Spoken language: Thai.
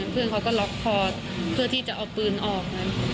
เพื่อนเขาก็ล็อกคอเพื่อที่จะเอาปืนออกนะ